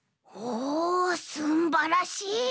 おおすんばらしい！